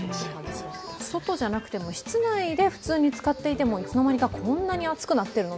外じゃなくても室内でふつうに使っていても、いつの間にかこんなに熱くなってるの？